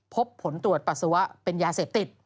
พบผลตรวจปัสสาวะเป็นยาเสพติด